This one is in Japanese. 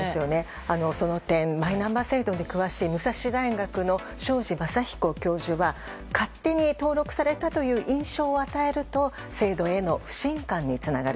その点、マイナンバー制度に詳しい武蔵大学の庄司昌彦教授は勝手に登録されたという印象を与えると制度への不信感につながる。